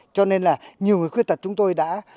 cho nên là nhiều người khuyết tật chúng tôi đã